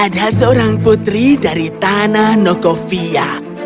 ada seorang putri dari tanah nogovia